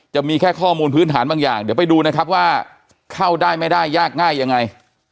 จะมีแค่ข้อมูลพื้นฐานบางอย่างเดี๋ยวไปดูนะครับว่าเข้าได้ไม่ได้ยากง่ายยังไง